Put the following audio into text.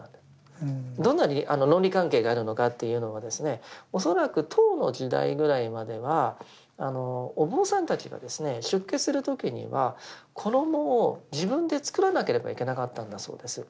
どんな論理関係があるのかというのは恐らく唐の時代ぐらいまではお坊さんたちが出家する時には衣を自分で作らなければいけなかったんだそうです。